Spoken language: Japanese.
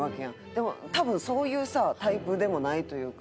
でも多分そういうさタイプでもないというか。